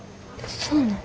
そうなん。